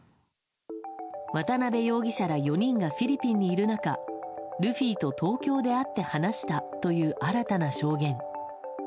渡辺容疑者ら４人がフィリピンにいる中ルフィと東京で会って話したという新たな証言。